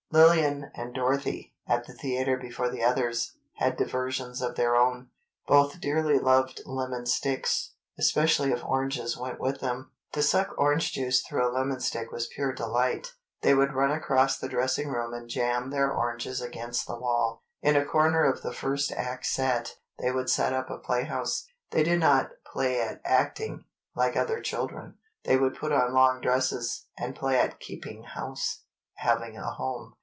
Lillian and Dorothy, at the theatre before the others, had diversions of their own. Both dearly loved lemon sticks, especially if oranges went with them. To suck orange juice through a lemon stick was pure delight. They would run across the dressing room and jam their oranges against the wall. In a corner of the first act set, they would set up a play house. They did not play at "acting," like other children. They would put on long dresses, and play at "keeping house"—having a home.